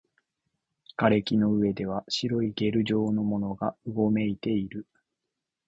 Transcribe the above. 瓦礫の上では白いゲル状のものがうごめいている